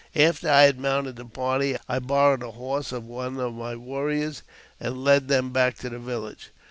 After I had mounted the party, I borrowed a horse of one of my warriors, and led them back to the village.